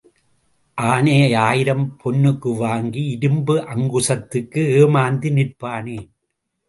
ஆனையை ஆயிரம் பொன்னுக்கு வாங்கி இரும்பு அங்குசத்துக்கு ஏமாந்து நிற்பானேன்?